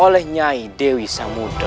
oleh nyai dewi samudera